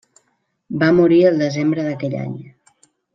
Va morir el desembre d'aquell any.